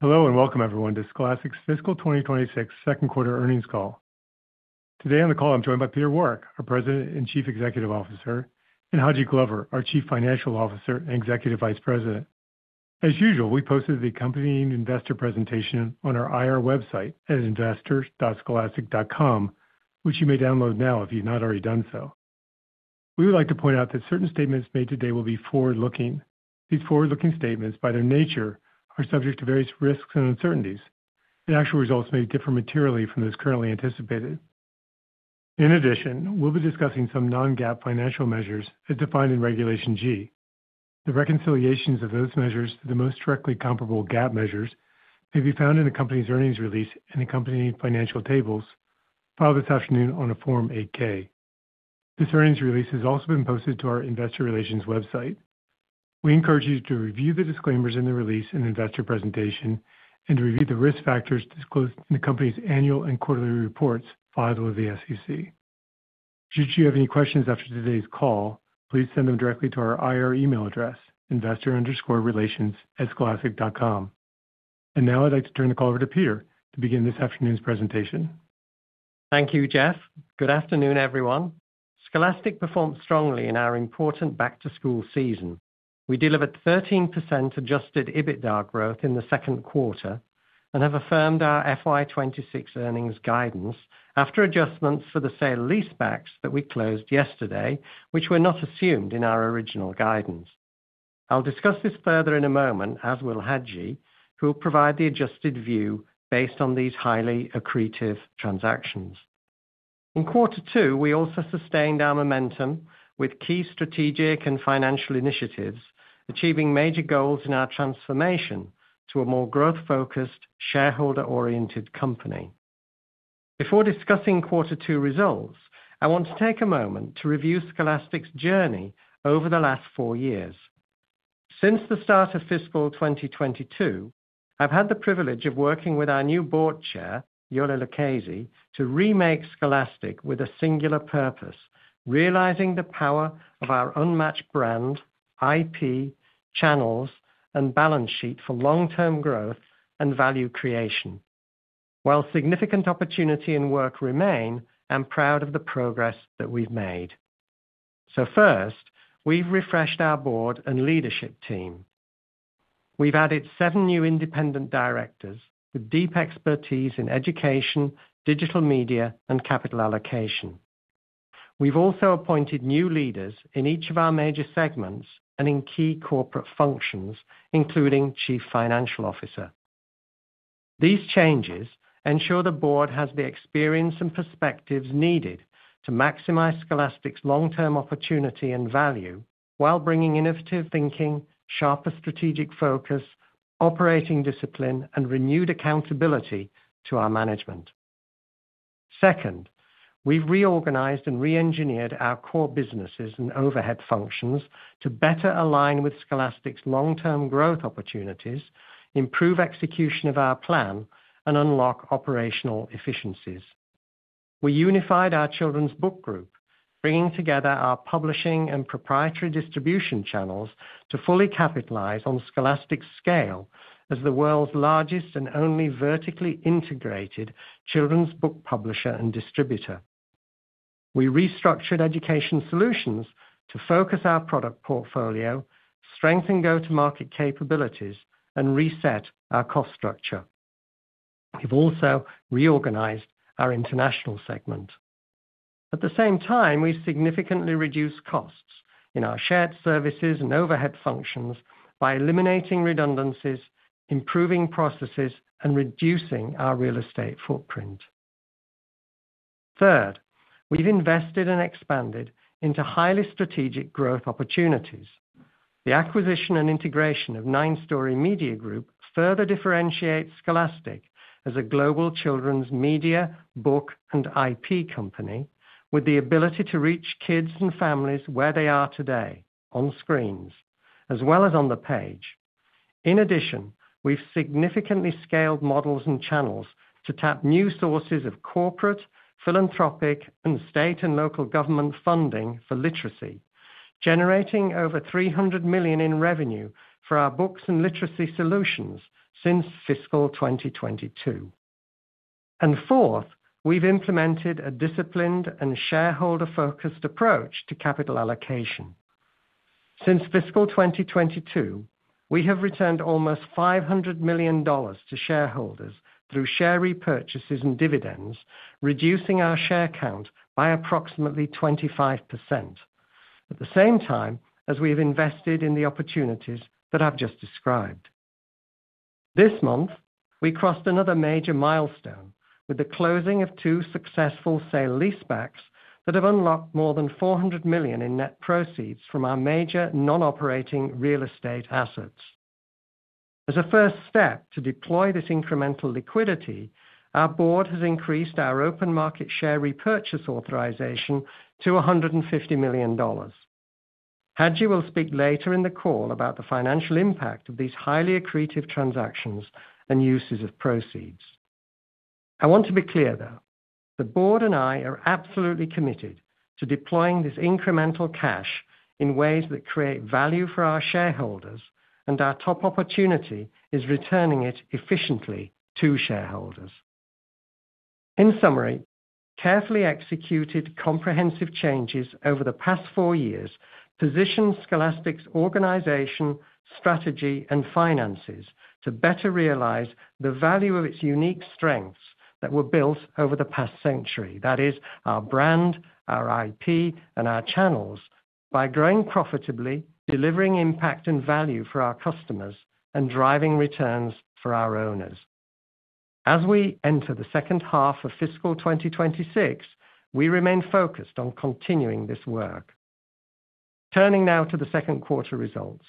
Hello and welcome, everyone, to Scholastic's Fiscal 2026 Second Quarter Earnings Call. Today on the call, I'm joined by Peter Warwick, our President and Chief Executive Officer, and Haji Glover, our Chief Financial Officer and Executive Vice President. As usual, we posted the accompanying investor presentation on our IR website at investors.scholastic.com, which you may download now if you've not already done so. We would like to point out that certain statements made today will be forward-looking. These forward-looking statements, by their nature, are subject to various risks and uncertainties, and actual results may differ materially from those currently anticipated. In addition, we'll be discussing some non-GAAP financial measures as defined in Regulation G. The reconciliations of those measures to the most directly comparable GAAP measures may be found in the company's earnings release and accompanying financial tables filed this afternoon on a Form 8-K. This earnings release has also been posted to our Investor Relations website. We encourage you to review the disclaimers in the release and investor presentation and to review the risk factors disclosed in the company's annual and quarterly reports filed with the SEC. Should you have any questions after today's call, please send them directly to our IR email address, investor_relations@scholastic.com. And now I'd like to turn the call over to Peter to begin this afternoon's presentation. Thank you, Jeff. Good afternoon, everyone. Scholastic performed strongly in our important back-to-school season. We delivered 13% Adjusted EBITDA growth in the second quarter and have affirmed our FY26 earnings guidance after adjustments for the sale-leasebacks that we closed yesterday, which were not assumed in our original guidance. I'll discuss this further in a moment as will Haji, who will provide the adjusted view based on these highly accretive transactions. In Quarter Two, we also sustained our momentum with key strategic and financial initiatives, achieving major goals in our transformation to a more growth-focused, shareholder-oriented company. Before discussing Quarter Two results, I want to take a moment to review Scholastic's journey over the last four years. Since the start of fiscal 2022, I've had the privilege of working with our new Board Chair, Iole Lucchese, to remake Scholastic with a singular purpose: realizing the power of our unmatched brand, IP, channels, and balance sheet for long-term growth and value creation. While significant opportunity and work remain, I'm proud of the progress that we've made. So first, we've refreshed our board and leadership team. We've added seven new independent directors with deep expertise in education, digital media, and capital allocation. We've also appointed new leaders in each of our major segments and in key corporate functions, including Chief Financial Officer. These changes ensure the board has the experience and perspectives needed to maximize Scholastic's long-term opportunity and value while bringing innovative thinking, sharper strategic focus, operating discipline, and renewed accountability to our management. Second, we've reorganized and re-engineered our core businesses and overhead functions to better align with Scholastic's long-term growth opportunities, improve execution of our plan, and unlock operational efficiencies. We unified our children's book group, bringing together our publishing and proprietary distribution channels to fully capitalize on Scholastic's scale as the world's largest and only vertically integrated children's book publisher and distributor. We restructured education solutions to focus our product portfolio, strengthen go-to-market capabilities, and reset our cost structure. We've also reorganized our international segment. At the same time, we've significantly reduced costs in our shared services and overhead functions by eliminating redundancies, improving processes, and reducing our real estate footprint. Third, we've invested and expanded into highly strategic growth opportunities. The acquisition and integration of 9 Story Media Group further differentiates Scholastic as a global children's media, book, and IP company with the ability to reach kids and families where they are today, on screens, as well as on the page. In addition, we've significantly scaled models and channels to tap new sources of corporate, philanthropic, and state and local government funding for literacy, generating over $300 million in revenue for our books and literacy solutions since fiscal 2022. And fourth, we've implemented a disciplined and shareholder-focused approach to capital allocation. Since fiscal 2022, we have returned almost $500 million to shareholders through share repurchases and dividends, reducing our share count by approximately 25%, at the same time as we have invested in the opportunities that I've just described. This month, we crossed another major milestone with the closing of two successful sale-leasebacks that have unlocked more than $400 million in net proceeds from our major non-operating real estate assets. As a first step to deploy this incremental liquidity, our board has increased our open market share repurchase authorization to $150 million. Haji will speak later in the call about the financial impact of these highly accretive transactions and uses of proceeds. I want to be clear, though. The board and I are absolutely committed to deploying this incremental cash in ways that create value for our shareholders, and our top opportunity is returning it efficiently to shareholders. In summary, carefully executed comprehensive changes over the past four years position Scholastic's organization, strategy, and finances to better realize the value of its unique strengths that were built over the past century, that is, our brand, our IP, and our channels, by growing profitably, delivering impact and value for our customers, and driving returns for our owners. As we enter the second half of fiscal 2026, we remain focused on continuing this work. Turning now to the second quarter results,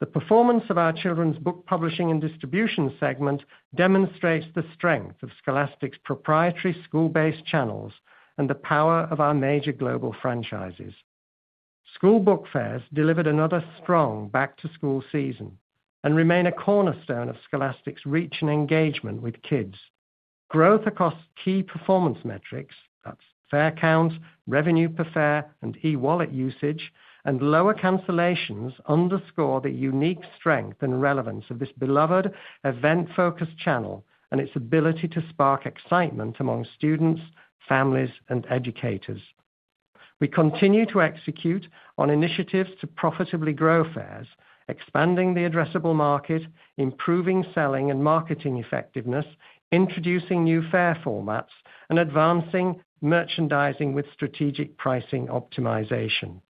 the performance of our children's book publishing and distribution segment demonstrates the strength of Scholastic's proprietary school-based channels and the power of our major global franchises. School book fairs delivered another strong back-to-school season and remain a cornerstone of Scholastic's reach and engagement with kids. Growth across key performance metrics (that's fair count, revenue per fair, and e-wallet usage) and lower cancellations underscore the unique strength and relevance of this beloved event-focused channel and its ability to spark excitement among students, families, and educators. We continue to execute on initiatives to profitably grow fairs, expanding the addressable market, improving selling and marketing effectiveness, introducing new fair formats, and advancing merchandising with strategic pricing optimization.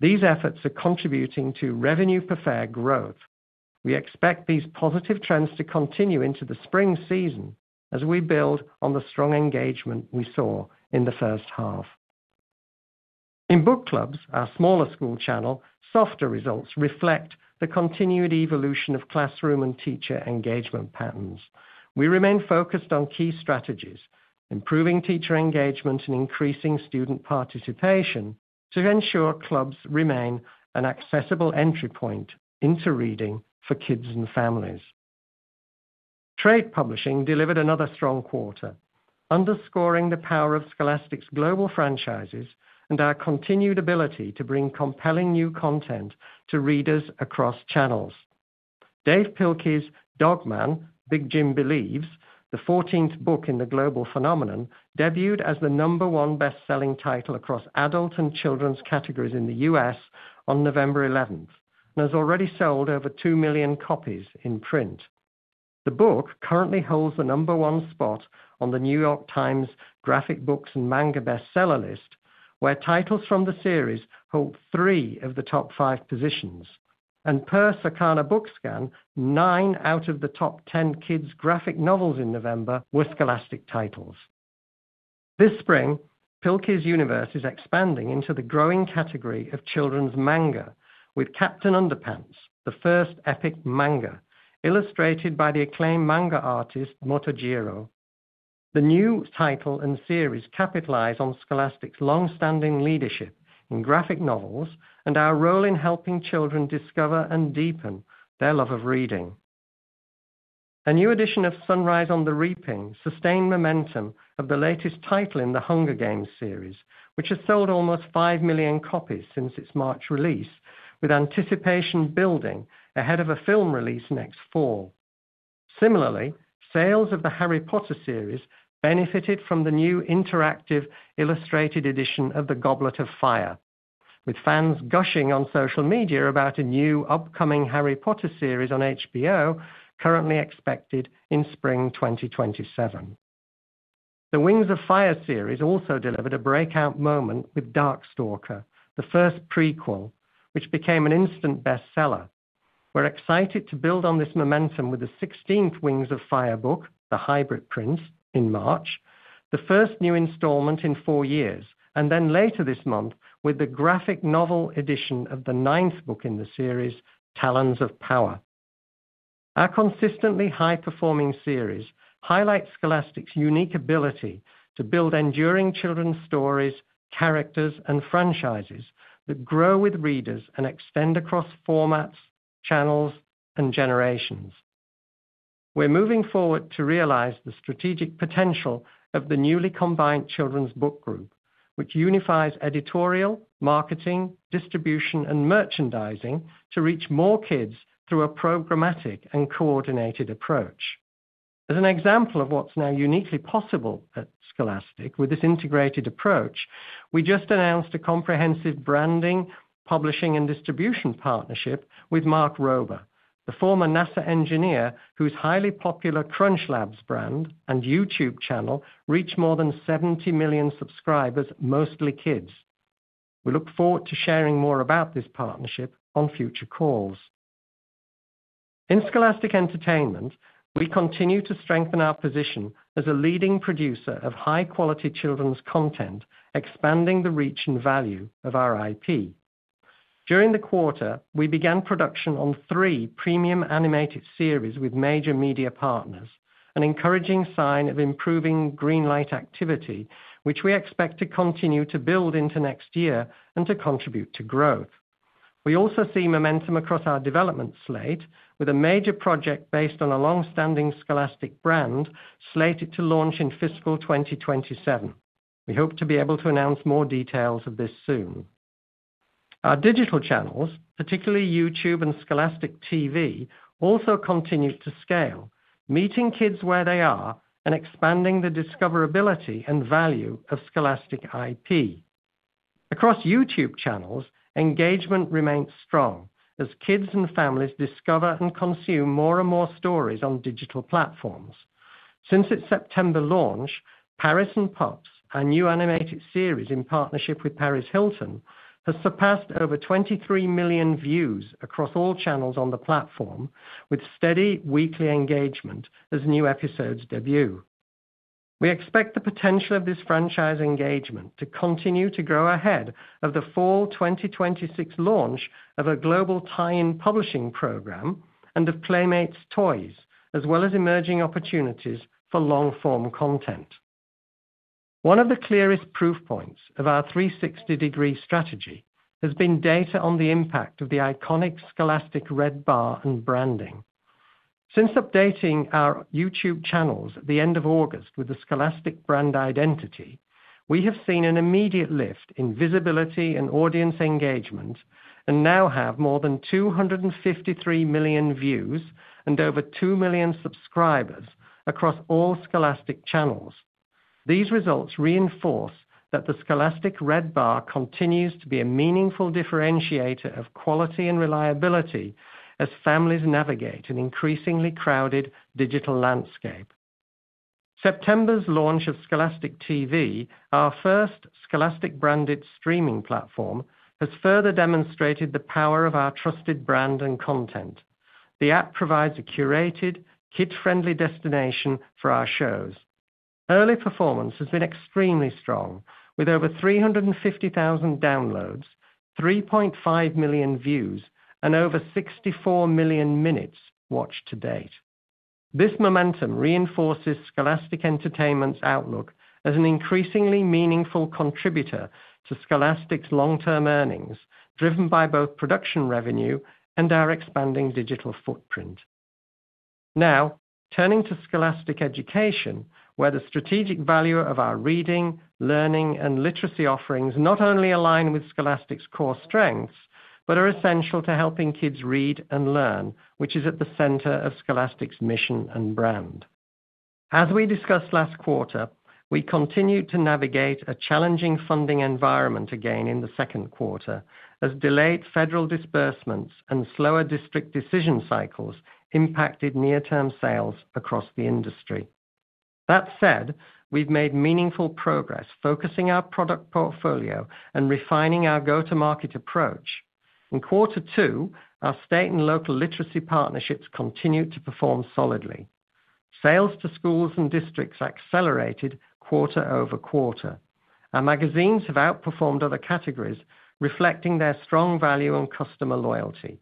These efforts are contributing to revenue per fair growth. We expect these positive trends to continue into the spring season as we build on the strong engagement we saw in the first half. In book clubs, our smaller school channel, softer results reflect the continued evolution of classroom and teacher engagement patterns. We remain focused on key strategies, improving teacher engagement and increasing student participation to ensure clubs remain an accessible entry point into reading for kids and families. Trade Publishing delivered another strong quarter, underscoring the power of Scholastic's global franchises and our continued ability to bring compelling new content to readers across channels. Dav Pilkey's Dog Man: Big Jim Begins, the 14th book in the global phenomenon, debuted as the number one best-selling title across adult and children's categories in the U.S. on November 11th and has already sold over 2 million copies in print. The book currently holds the number one spot on the New York Times Graphic Books and Manga Bestseller list, where titles from the series hold three of the top five positions, and per Circana BookScan, nine out of the Top 10 kids' graphic novels in November were Scholastic titles. This spring, Pilkey's universe is expanding into the growing category of children's manga with Captain Underpants: The First Epic Manga illustrated by the acclaimed manga artist Motojiro. The new title and series capitalize on Scholastic's long-standing leadership in graphic novels and our role in helping children discover and deepen their love of reading. A new edition of Sunrise on the Reaping sustained momentum of the latest title in the Hunger Games series, which has sold almost five million copies since its March release, with anticipation building ahead of a film release next fall. Similarly, sales of the Harry Potter series benefited from the new interactive illustrated edition of The Goblet of Fire, with fans gushing on social media about a new upcoming Harry Potter series on HBO currently expected in spring 2027. The Wings of Fire series also delivered a breakout moment with Darkstalker, the first prequel, which became an instant bestseller. We're excited to build on this momentum with the 16th Wings of Fire book, The Hybrid Prince, in March, the first new installment in four years, and then later this month with the graphic novel edition of the ninth book in the series, Talons of Power. Our consistently high-performing series highlights Scholastic's unique ability to build enduring children's stories, characters, and franchises that grow with readers and extend across formats, channels, and generations. We're moving forward to realize the strategic potential of the newly combined children's book group, which unifies editorial, marketing, distribution, and merchandising to reach more kids through a programmatic and coordinated approach. As an example of what's now uniquely possible at Scholastic with this integrated approach, we just announced a comprehensive branding, publishing, and distribution partnership with Mark Rober, the former NASA engineer whose highly popular CrunchLabs brand and YouTube channel reached more than 70 million subscribers, mostly kids. We look forward to sharing more about this partnership on future calls. In Scholastic Entertainment, we continue to strengthen our position as a leading producer of high-quality children's content, expanding the reach and value of our IP. During the quarter, we began production on three premium animated series with major media partners, an encouraging sign of improving greenlight activity, which we expect to continue to build into next year and to contribute to growth. We also see momentum across our development slate with a major project based on a long-standing Scholastic brand slated to launch in fiscal 2027. We hope to be able to announce more details of this soon. Our digital channels, particularly YouTube and Scholastic TV, also continue to scale, meeting kids where they are and expanding the discoverability and value of Scholastic IP. Across YouTube channels, engagement remains strong as kids and families discover and consume more and more stories on digital platforms. Since its September launch, Paris & Pups, our new animated series in partnership with Paris Hilton, has surpassed over 23 million views across all channels on the platform, with steady weekly engagement as new episodes debut. We expect the potential of this franchise engagement to continue to grow ahead of the fall 2026 launch of a global tie-in publishing program and of Playmates Toys, as well as emerging opportunities for long-form content. One of the clearest proof points of our 360-degree strategy has been data on the impact of the iconic Scholastic red bar and branding. Since updating our YouTube channels at the end of August with the Scholastic brand identity, we have seen an immediate lift in visibility and audience engagement and now have more than 253 million views and over two million subscribers across all Scholastic channels. These results reinforce that the Scholastic red bar continues to be a meaningful differentiator of quality and reliability as families navigate an increasingly crowded digital landscape. September's launch of Scholastic TV, our first Scholastic-branded streaming platform, has further demonstrated the power of our trusted brand and content. The app provides a curated, kid-friendly destination for our shows. Early performance has been extremely strong, with over 350,000 downloads, 3.5 million views, and over 64 million minutes watched to date. This momentum reinforces Scholastic Entertainment's outlook as an increasingly meaningful contributor to Scholastic's long-term earnings, driven by both production revenue and our expanding digital footprint. Now, turning to Scholastic Education, where the strategic value of our reading, learning, and literacy offerings not only align with Scholastic's core strengths but are essential to helping kids read and learn, which is at the center of Scholastic's mission and brand. As we discussed last quarter, we continued to navigate a challenging funding environment again in the second quarter, as delayed federal disbursements and slower district decision cycles impacted near-term sales across the industry. That said, we've made meaningful progress focusing our product portfolio and refining our go-to-market approach. In quarter two, our state and local literacy partnerships continued to perform solidly. Sales to schools and districts accelerated quarter over quarter. Our magazines have outperformed other categories, reflecting their strong value and customer loyalty.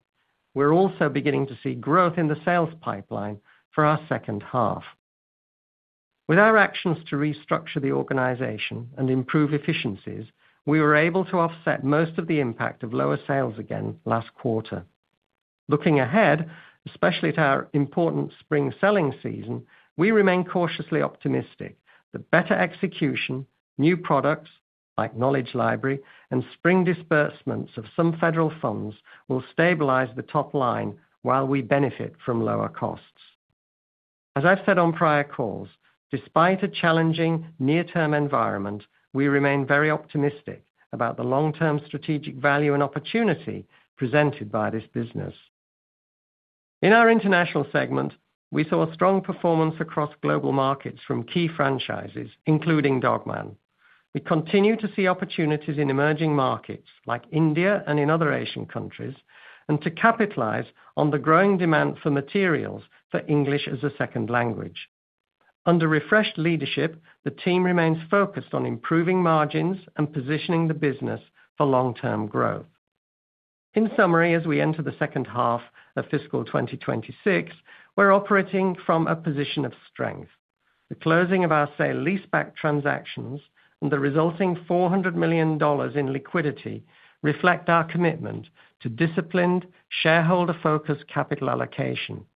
We're also beginning to see growth in the sales pipeline for our second half. With our actions to restructure the organization and improve efficiencies, we were able to offset most of the impact of lower sales again last quarter. Looking ahead, especially to our important spring selling season, we remain cautiously optimistic that better execution, new products like Knowledge Library, and spring disbursements of some federal funds will stabilize the top line while we benefit from lower costs. As I've said on prior calls, despite a challenging near-term environment, we remain very optimistic about the long-term strategic value and opportunity presented by this business. In our International Segment, we saw a strong performance across global markets from key franchises, including Dog Man. We continue to see opportunities in emerging markets like India and in other Asian countries and to capitalize on the growing demand for materials for English as a second language. Under refreshed leadership, the team remains focused on improving margins and positioning the business for long-term growth. In summary, as we enter the second half of fiscal 2026, we're operating from a position of strength. The closing of our sale-leaseback transactions and the resulting $400 million in liquidity reflect our commitment to disciplined, shareholder-focused capital allocation.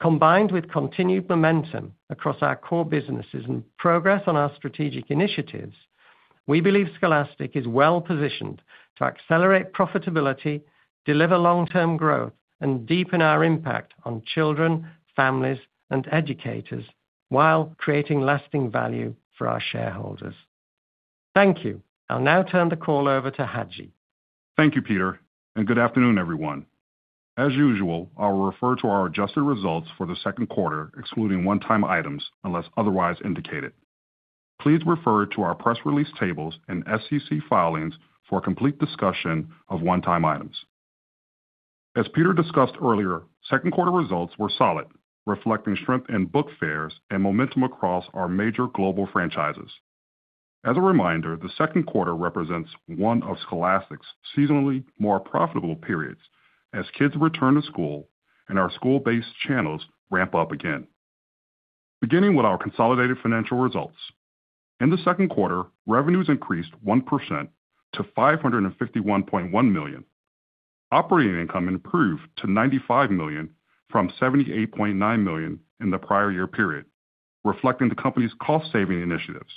Combined with continued momentum across our core businesses and progress on our strategic initiatives, we believe Scholastic is well positioned to accelerate profitability, deliver long-term growth, and deepen our impact on children, families, and educators while creating lasting value for our shareholders. Thank you. I'll now turn the call over to Haji. Thank you, Peter, and good afternoon, everyone. As usual, I'll refer to our adjusted results for the second quarter, excluding one-time items unless otherwise indicated. Please refer to our press release tables and SEC filings for a complete discussion of one-time items. As Peter discussed earlier, second quarter results were solid, reflecting strength in book fairs and momentum across our major global franchises. As a reminder, the second quarter represents one of Scholastic's seasonally more profitable periods as kids return to school and our school-based channels ramp up again. Beginning with our consolidated financial results, in the second quarter, revenues increased 1% to $551.1 million. Operating income improved to $95 million from $78.9 million in the prior year period, reflecting the company's cost-saving initiatives.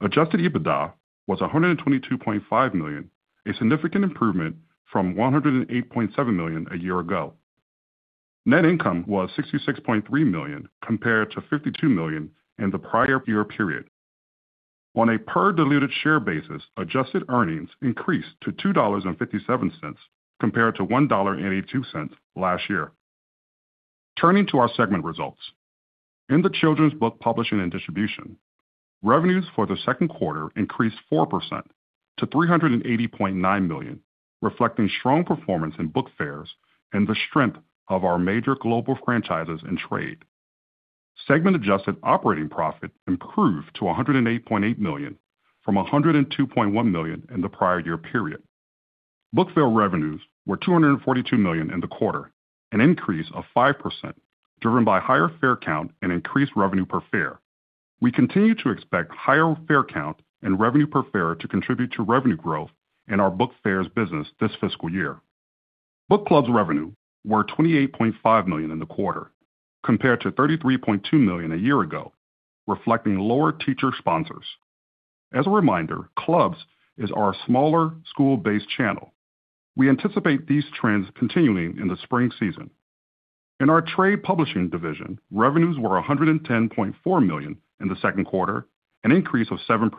Adjusted EBITDA was $122.5 million, a significant improvement from $108.7 million a year ago. Net income was $66.3 million compared to $52 million in the prior year period. On a per-diluted share basis, adjusted earnings increased to $2.57 compared to $1.82 last year. Turning to our segment results, in the Children's Book Publishing and Distribution, revenues for the second quarter increased 4% to $380.9 million, reflecting strong performance in Book Fairs and the strength of our major global franchises and trade. Segment-adjusted operating profit improved to $108.8 million from $102.1 million in the prior year period. Book Fairs revenues were $242 million in the quarter, an increase of 5% driven by higher fair count and increased revenue per fair. We continue to expect higher fair count and revenue per fair to contribute to revenue growth in our Book Fairs business this fiscal year. Book Clubs revenue were $28.5 million in the quarter compared to $33.2 million a year ago, reflecting lower teacher sponsors. As a reminder, Clubs is our smaller school-based channel. We anticipate these trends continuing in the spring season. In our trade publishing division, revenues were $110.4 million in the second quarter, an increase of 7%.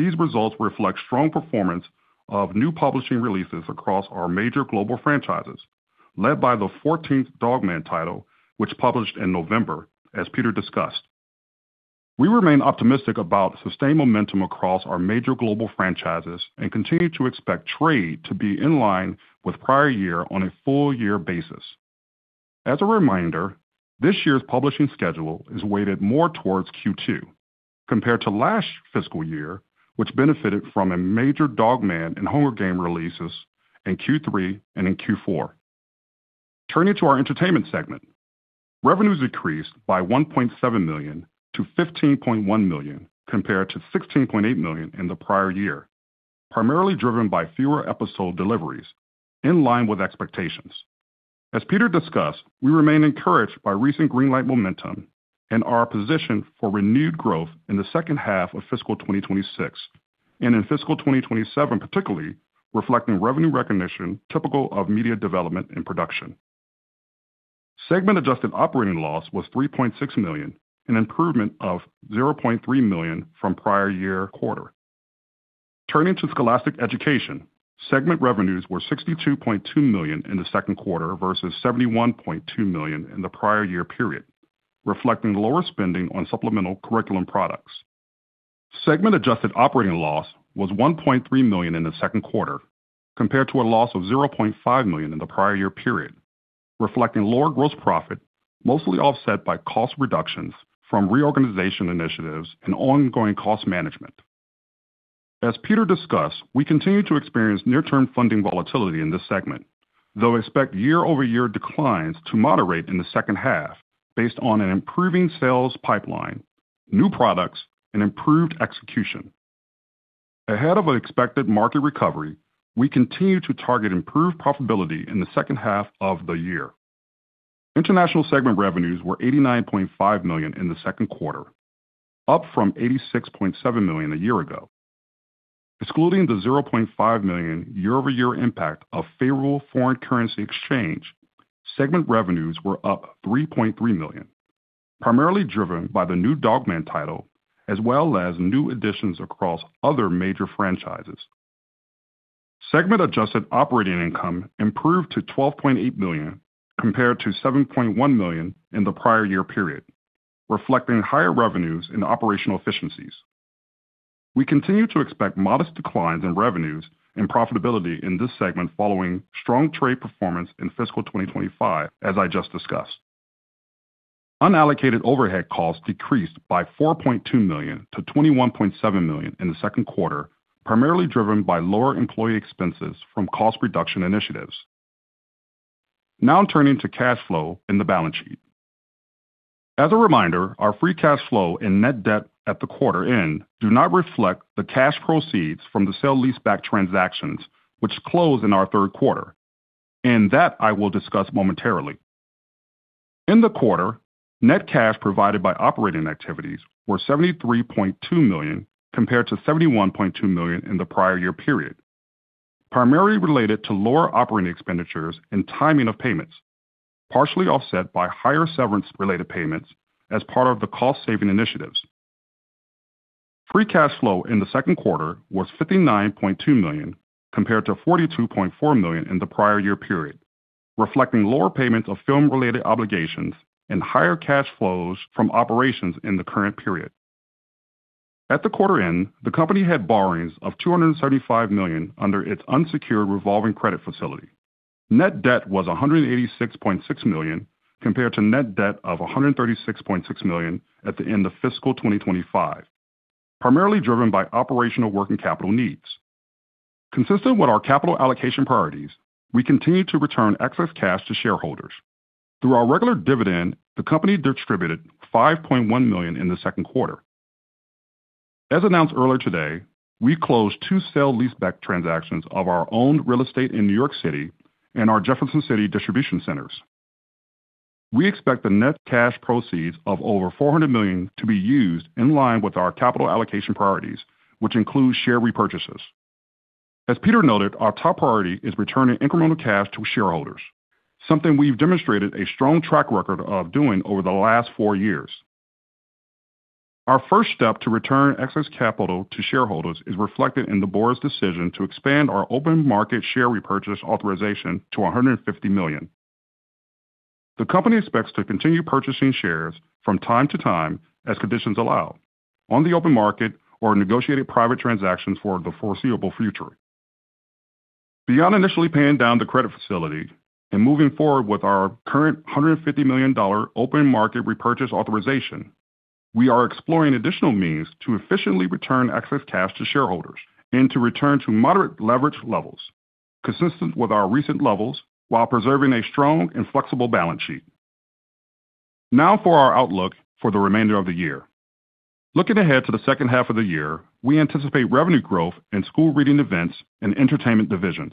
These results reflect strong performance of new publishing releases across our major global franchises, led by the 14th Dog Man title, which published in November, as Peter discussed. We remain optimistic about sustained momentum across our major global franchises and continue to expect trade to be in line with prior year on a full-year basis. As a reminder, this year's publishing schedule is weighted more towards Q2 compared to last fiscal year, which benefited from a major Dog Man and Hunger Games releases in Q3 and in Q4. Turning to our entertainment segment, revenues increased by $1.7 million to $15.1 million compared to $16.8 million in the prior year, primarily driven by fewer episode deliveries, in line with expectations. As Peter discussed, we remain encouraged by recent greenlight momentum and our position for renewed growth in the second half of fiscal 2026 and in fiscal 2027, particularly reflecting revenue recognition typical of media development and production. Segment-adjusted operating loss was $3.6 million, an improvement of $0.3 million from prior year quarter. Turning to Scholastic Education, segment revenues were $62.2 million in the second quarter versus $71.2 million in the prior year period, reflecting lower spending on supplemental curriculum products. Segment-adjusted operating loss was $1.3 million in the second quarter compared to a loss of $0.5 million in the prior year period, reflecting lower gross profit, mostly offset by cost reductions from reorganization initiatives and ongoing cost management. As Peter discussed, we continue to experience near-term funding volatility in this segment, though expect year-over-year declines to moderate in the second half based on an improving sales pipeline, new products, and improved execution. Ahead of an expected market recovery, we continue to target improved profitability in the second half of the year. International segment revenues were $89.5 million in the second quarter, up from $86.7 million a year ago. Excluding the $0.5 million year-over-year impact of favorable foreign currency exchange, segment revenues were up $3.3 million, primarily driven by the new Dog Man title as well as new additions across other major franchises. Segment-adjusted operating income improved to $12.8 million compared to $7.1 million in the prior year period, reflecting higher revenues and operational efficiencies. We continue to expect modest declines in revenues and profitability in this segment following strong trade performance in fiscal 2025, as I just discussed. Unallocated overhead costs decreased by $4.2 million to $21.7 million in the second quarter, primarily driven by lower employee expenses from cost reduction initiatives. Now turning to cash flow in the balance sheet. As a reminder, our free cash flow and net debt at the quarter end do not reflect the cash proceeds from the sale-leaseback transactions, which closed in our third quarter, and that I will discuss momentarily. In the quarter, net cash provided by operating activities were $73.2 million compared to $71.2 million in the prior year period, primarily related to lower operating expenditures and timing of payments, partially offset by higher severance-related payments as part of the cost-saving initiatives. Free cash flow in the second quarter was $59.2 million compared to $42.4 million in the prior year period, reflecting lower payments of film-related obligations and higher cash flows from operations in the current period. At the quarter end, the company had borrowings of $275 million under its unsecured revolving credit facility. Net debt was $186.6 million compared to net debt of $136.6 million at the end of fiscal 2025, primarily driven by operational working capital needs. Consistent with our capital allocation priorities, we continue to return excess cash to shareholders. Through our regular dividend, the company distributed $5.1 million in the second quarter. As announced earlier today, we closed two sale-leaseback transactions of our owned real estate in New York City and our Jefferson City distribution centers. We expect the net cash proceeds of over $400 million to be used in line with our capital allocation priorities, which include share repurchases. As Peter noted, our top priority is returning incremental cash to shareholders, something we've demonstrated a strong track record of doing over the last four years. Our first step to return excess capital to shareholders is reflected in the board's decision to expand our open market share repurchase authorization to $150 million. The company expects to continue purchasing shares from time to time as conditions allow, on the open market or negotiated private transactions for the foreseeable future. Beyond initially paying down the credit facility and moving forward with our current $150 million open market repurchase authorization, we are exploring additional means to efficiently return excess cash to shareholders and to return to moderate leverage levels, consistent with our recent levels while preserving a strong and flexible balance sheet. Now for our outlook for the remainder of the year. Looking ahead to the second half of the year, we anticipate revenue growth in school reading events and entertainment divisions,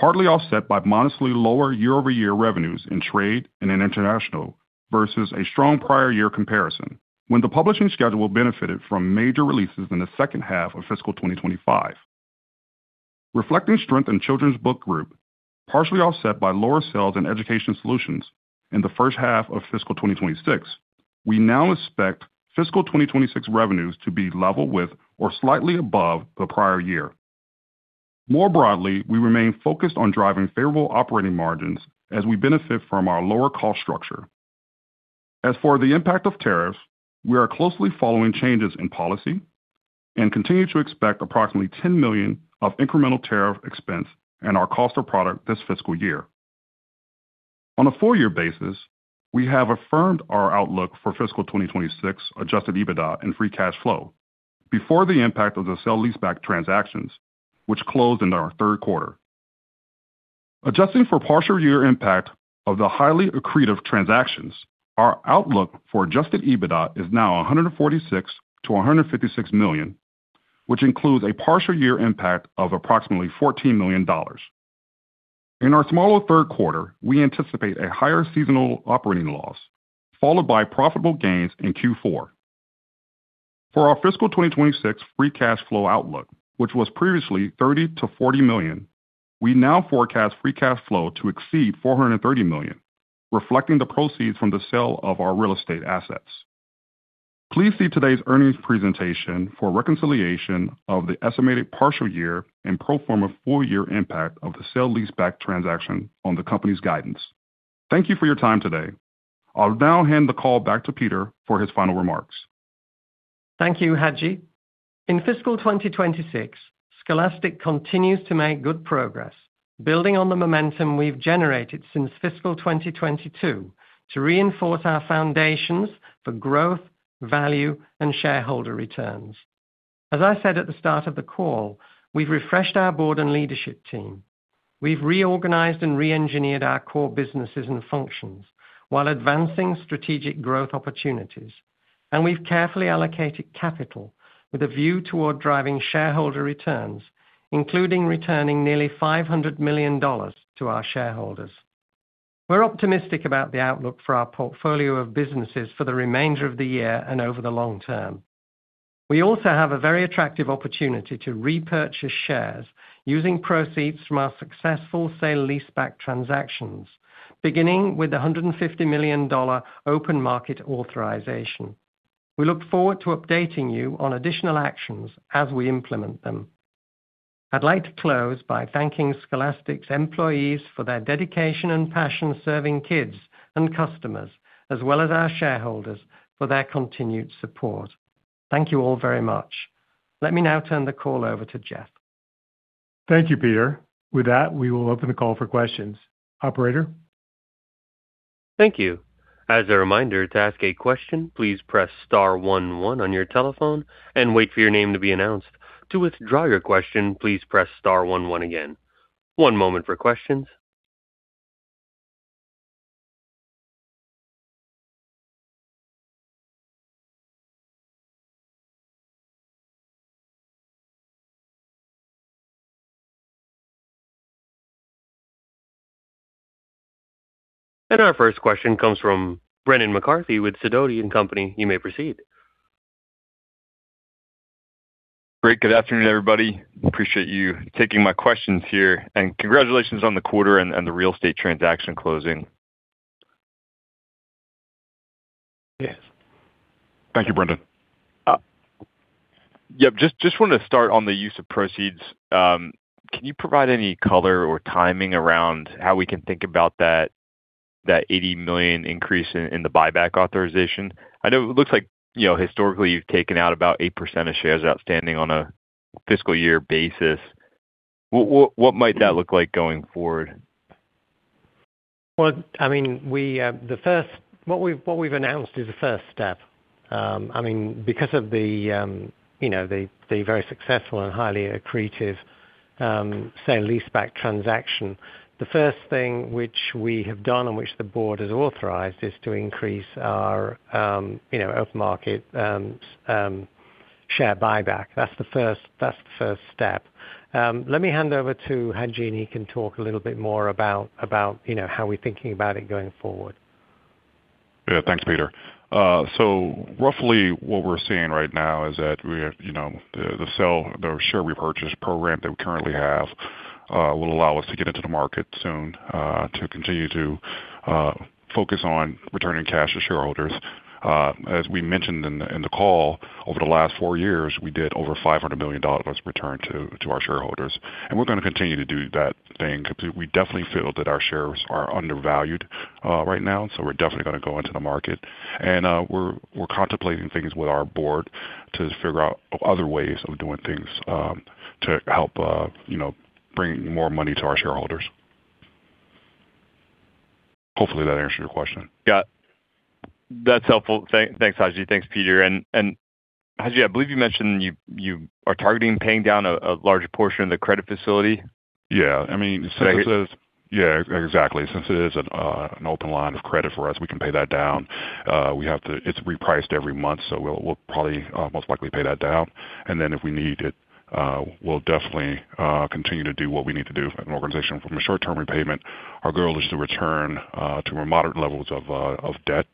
partly offset by modestly lower year-over-year revenues in trade and in international versus a strong prior year comparison when the publishing schedule benefited from major releases in the second half of fiscal 2025. Reflecting strength in children's book group, partially offset by lower sales in education solutions in the first half of fiscal 2026, we now expect fiscal 2026 revenues to be level with or slightly above the prior year. More broadly, we remain focused on driving favorable operating margins as we benefit from our lower cost structure. As for the impact of tariffs, we are closely following changes in policy and continue to expect approximately $10 million of incremental tariff expense in our cost of product this fiscal year. On a four-year basis, we have affirmed our outlook for Fiscal 2026 Adjusted EBITDA and Free Cash Flow before the impact of the sale-leaseback transactions, which closed in our third quarter. Adjusting for partial-year impact of the highly accretive transactions, our outlook for Adjusted EBITDA is now $146 million-$156 million, which includes a partial-year impact of approximately $14 million. In our smaller third quarter, we anticipate a higher seasonal operating loss followed by profitable gains in Q4. For our fiscal 2026 Free Cash Flow outlook, which was previously $30 million-$40 million, we now forecast Free Cash Flow to exceed $430 million, reflecting the proceeds from the sale of our real estate assets. Please see today's earnings presentation for reconciliation of the estimated partial-year and pro forma full-year impact of the sale-leaseback transaction on the company's guidance. Thank you for your time today. I'll now hand the call back to Peter for his final remarks. Thank you, Haji. In fiscal 2026, Scholastic continues to make good progress, building on the momentum we've generated since fiscal 2022 to reinforce our foundations for growth, value, and shareholder returns. As I said at the start of the call, we've refreshed our board and leadership team. We've reorganized and re-engineered our core businesses and functions while advancing strategic growth opportunities, and we've carefully allocated capital with a view toward driving shareholder returns, including returning nearly $500 million to our shareholders. We're optimistic about the outlook for our portfolio of businesses for the remainder of the year and over the long term. We also have a very attractive opportunity to repurchase shares using proceeds from our successful sale-leaseback transactions, beginning with the $150 million open market authorization. We look forward to updating you on additional actions as we implement them. I'd like to close by thanking Scholastic's employees for their dedication and passion serving kids and customers, as well as our shareholders, for their continued support. Thank you all very much. Let me now turn the call over to Jeff. Thank you, Peter. With that, we will open the call for questions. Operator? Thank you. As a reminder, to ask a question, please press star 11 on your telephone and wait for your name to be announced. To withdraw your question, please press star 11 again. One moment for questions. Our first question comes from Brendan McCarthy with Sidoti & Company. You may proceed. Great. Good afternoon, everybody. Appreciate you taking my questions here. And congratulations on the quarter and the real estate transaction closing. Yes. Thank you, Brendan. Yep. Just wanted to start on the use of proceeds. Can you provide any color or timing around how we can think about that $80 million increase in the buyback authorization? I know it looks like historically you've taken out about 8% of shares outstanding on a fiscal year basis. What might that look like going forward? Well, I mean, the first what we've announced is a first step. I mean, because of the very successful and highly accretive sale-leaseback transaction, the first thing which we have done and which the board has authorized is to increase our open market share buyback. That's the first step. Let me hand over to Haji and he can talk a little bit more about how we're thinking about it going forward. Yeah. Thanks, Peter. Roughly what we're seeing right now is that the share repurchase program that we currently have will allow us to get into the market soon to continue to focus on returning cash to shareholders. As we mentioned in the call, over the last four years, we did over $500 million return to our shareholders. We're going to continue to do that thing because we definitely feel that our shares are undervalued right now, so we're definitely going to go into the market. We're contemplating things with our board to figure out other ways of doing things to help bring more money to our shareholders. Hopefully, that answered your question. Yeah. That's helpful. Thanks, Haji. Thanks, Peter. And Haji, I believe you mentioned you are targeting paying down a large portion of the credit facility. Yeah. I mean, since it is yeah, exactly. Since it is an open line of credit for us, we can pay that down. It's repriced every month, so we'll probably most likely pay that down. And then if we need it, we'll definitely continue to do what we need to do for an organization from a short-term repayment. Our goal is to return to more moderate levels of debt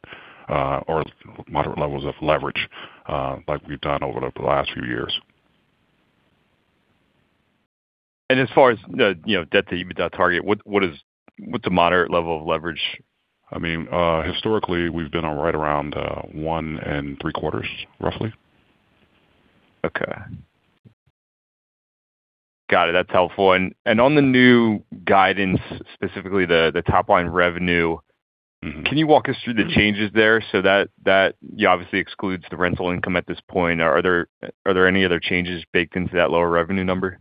or moderate levels of leverage like we've done over the last few years. And as far as debt that you target, what's a moderate level of leverage? I mean, historically, we've been right around one and three quarters, roughly. Okay. Got it. That's helpful. And on the new guidance, specifically the top-line revenue, can you walk us through the changes there? So that obviously excludes the rental income at this point. Are there any other changes baked into that lower revenue number?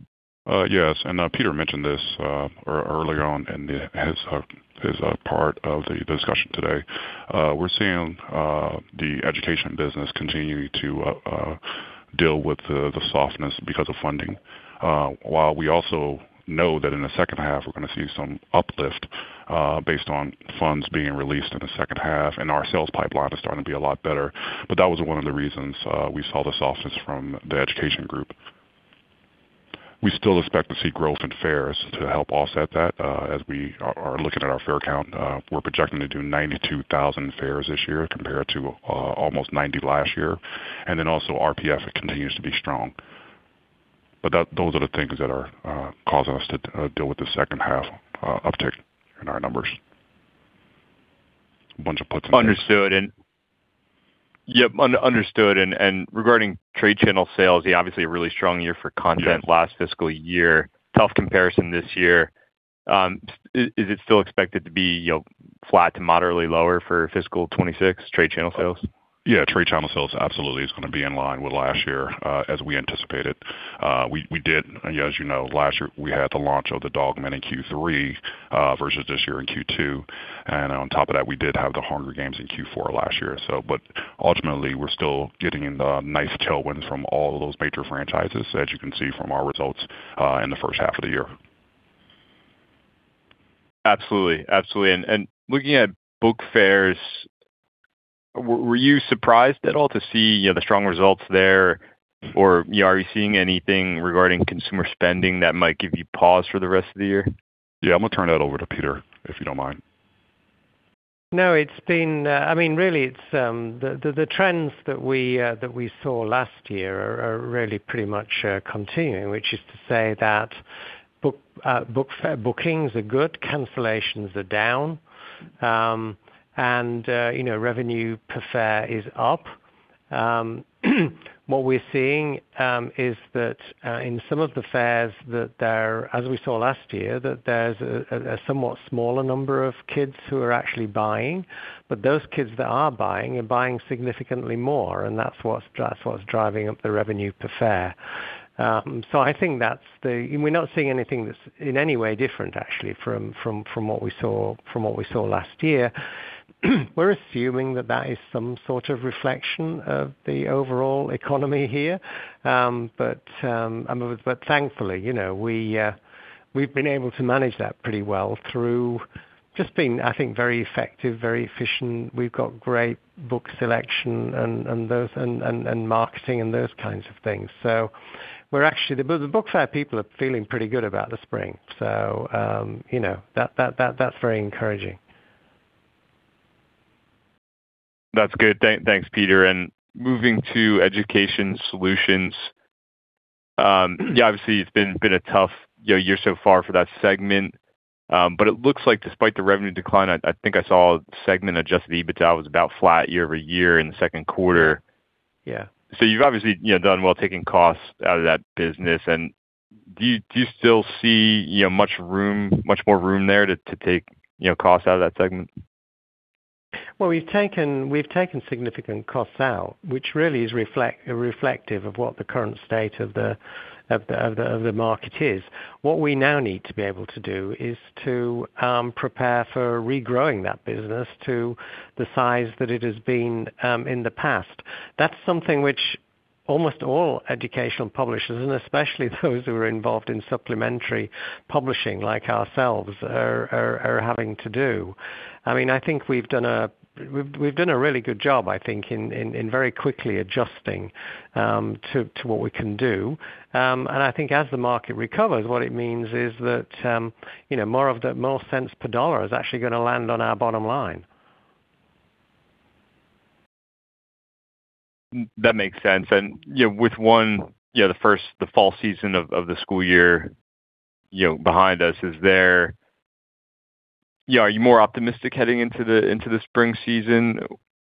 Yes. Peter mentioned this earlier on in his part of the discussion today. We're seeing the education business continue to deal with the softness because of funding. While we also know that in the second half, we're going to see some uplift based on funds being released in the second half, and our sales pipeline is starting to be a lot better. But that was one of the reasons we saw the softness from the education group. We still expect to see growth in fairs to help offset that as we are looking at our fair count. We're projecting to do 92,000 fairs this year compared to almost 90 last year. And then also RPF continues to be strong. But those are the things that are causing us to deal with the second half uptick in our numbers. A bunch of puts and takes. Understood. Yep. Understood. Regarding trade channel sales, obviously a really strong year for content last fiscal year. Tough comparison this year. Is it still expected to be flat to moderately lower for fiscal 2026 trade channel sales? Yeah. Trade channel sales absolutely is going to be in line with last year as we anticipated. We did, as you know, last year we had the launch of the Dog Man in Q3 versus this year in Q2. And on top of that, we did have the Hunger Games in Q4 last year. But ultimately, we're still getting in nice tailwinds from all of those major franchises, as you can see from our results in the first half of the year. Absolutely. Absolutely. Looking at book fairs, were you surprised at all to see the strong results there? Or are you seeing anything regarding consumer spending that might give you pause for the rest of the year? Yeah. I'm going to turn that over to Peter if you don't mind. No, it's been, I mean, really, the trends that we saw last year are really pretty much continuing, which is to say that bookings are good, cancellations are down, and revenue per fair is up. What we're seeing is that in some of the fairs that, as we saw last year, that there's a somewhat smaller number of kids who are actually buying. But those kids that are buying are buying significantly more, and that's what's driving up the revenue per fair. So I think that's it. We're not seeing anything that's in any way different, actually, from what we saw last year. We're assuming that that is some sort of reflection of the overall economy here. But thankfully, we've been able to manage that pretty well through just being, I think, very effective, very efficient. We've got great book selection and marketing and those kinds of things. So we're actually the book fair people are feeling pretty good about the spring. So that's very encouraging. That's good. Thanks, Peter. And moving to education solutions, yeah, obviously, it's been a tough year so far for that segment. But it looks like, despite the revenue decline, I think I saw segment Adjusted EBITDA was about flat year over year in the second quarter. Yeah. So you've obviously done well taking costs out of that business. And do you still see much more room there to take costs out of that segment? Well, we've taken significant costs out, which really is reflective of what the current state of the market is. What we now need to be able to do is to prepare for regrowing that business to the size that it has been in the past. That's something which almost all educational publishers, and especially those who are involved in supplementary publishing like ourselves, are having to do. I mean, I think we've done a really good job, I think, in very quickly adjusting to what we can do. And I think as the market recovers, what it means is that more of the cents per dollar is actually going to land on our bottom line. That makes sense. And with the first, the fall season of the school year behind us, are you more optimistic heading into the spring season?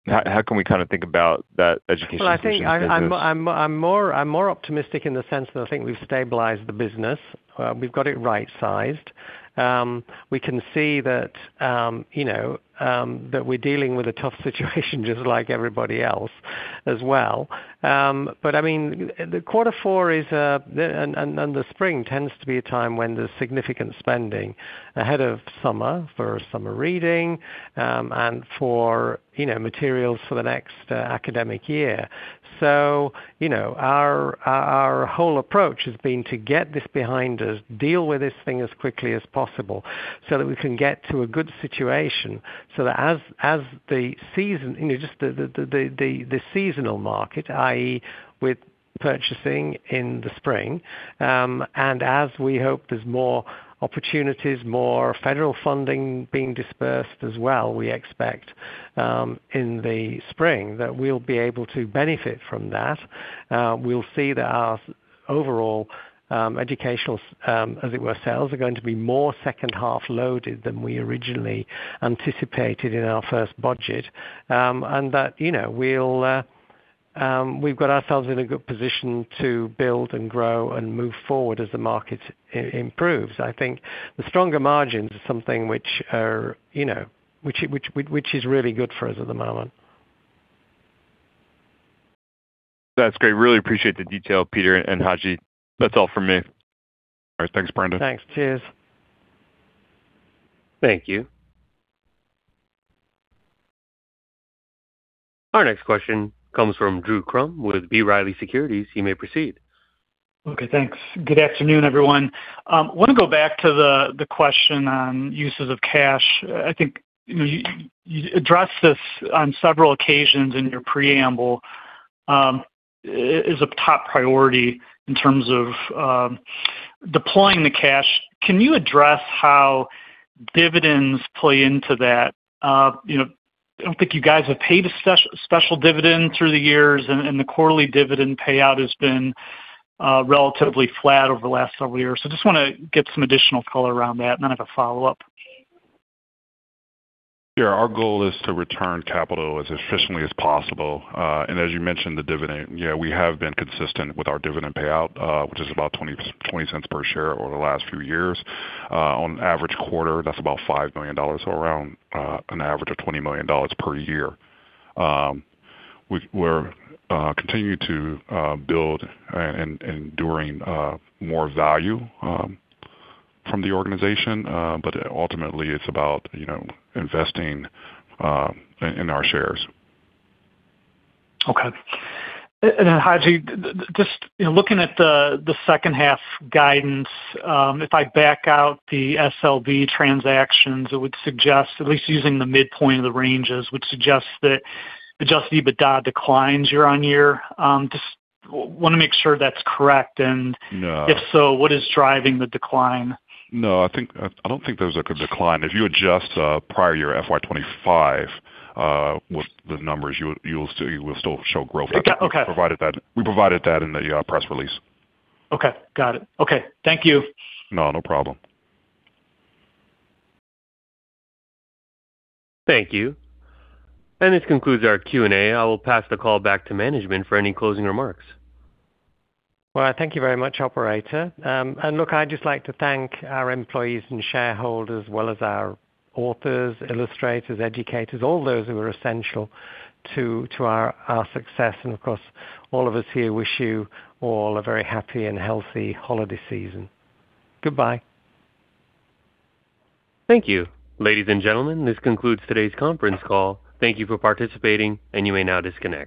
How can we kind of think about that education space? I think I'm more optimistic in the sense that I think we've stabilized the business. We've got it right-sized. We can see that we're dealing with a tough situation just like everybody else as well. But I mean, the quarter four is and the spring tends to be a time when there's significant spending ahead of summer for summer reading and for materials for the next academic year. So our whole approach has been to get this behind us, deal with this thing as quickly as possible so that we can get to a good situation so that as the season just the seasonal market, i.e., with purchasing in the spring, and as we hope there's more opportunities, more federal funding being dispersed as well, we expect in the spring that we'll be able to benefit from that. We'll see that our overall educational, as it were, sales are going to be more second-half loaded than we originally anticipated in our first budget. And that we've got ourselves in a good position to build and grow and move forward as the market improves. I think the stronger margins are something which is really good for us at the moment. That's great. Really appreciate the detail, Peter and Haji. That's all from me. All right. Thanks, Brendan. Thanks. Cheers. Thank you. Our next question comes from Drew Crum with B. Riley Securities. You may proceed. Okay. Thanks. Good afternoon, everyone. I want to go back to the question on uses of cash. I think you addressed this on several occasions in your preamble as a top priority in terms of deploying the cash. Can you address how dividends play into that? I don't think you guys have paid a special dividend through the years, and the quarterly dividend payout has been relatively flat over the last several years, so I just want to get some additional color around that, and then I've a follow-up. Yeah. Our goal is to return capital as efficiently as possible, and as you mentioned, the dividend, yeah, we have been consistent with our dividend payout, which is about $0.20 per share over the last few years. On average quarter, that's about $5 million, so around an average of $20 million per year. We're continuing to build and enduring more value from the organization, but ultimately, it's about investing in our shares. Okay. And then, Haji, just looking at the second half guidance, if I back out the SLB transactions, it would suggest, at least using the midpoint of the ranges, would suggest that Adjusted EBITDA declines year on year. Just want to make sure that's correct. And if so, what is driving the decline? No, I don't think there's a decline. If you adjust prior FY 2025 with the numbers, you will still show growth. We provided that in the press release. Okay. Got it. Okay. Thank you. No, no problem. Thank you. And this concludes our Q&A. I will pass the call back to management for any closing remarks. Well, thank you very much, Operator. And look, I'd just like to thank our employees and shareholders as well as our authors, illustrators, educators, all those who are essential to our success. And of course, all of us here wish you all a very happy and healthy holiday season. Goodbye. Thank you. Ladies and gentlemen, this concludes today's conference call. Thank you for participating, and you may now disconnect.